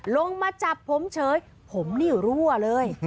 ลงมาจับผมเฉยผมนี่รั่วเลย